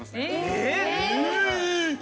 えっ？